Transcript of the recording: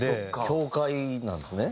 教会なんですね。